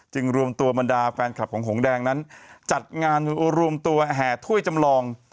รวมตัวบรรดาแฟนคลับของหงแดงนั้นจัดงานรวมตัวแห่ถ้วยจำลอง